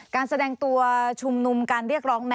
การแสดงตัวชุมนุมการเรียกร้อง